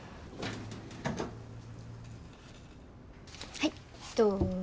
はいどうぞ。